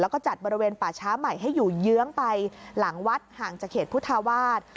แล้วก็จัดบริเวณป่าช้าใหม่ให้อยู่เยื้องไปหลังวัดห่างจากเขตพุทธาวาส